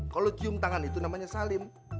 kalau cium tangan itu namanya salim